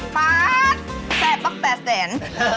ป๊า๊ดแป๊บป๊ากแป๊บแสน